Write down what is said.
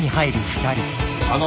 あの。